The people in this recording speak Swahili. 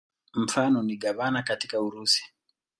Mfano ni gavana katika Urusi.